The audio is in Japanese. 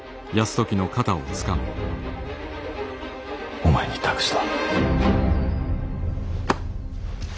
お前に託した。